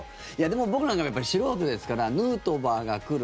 僕なんかもやっぱり素人ですからヌートバーが来る。